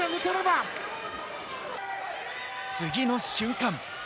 次の瞬間。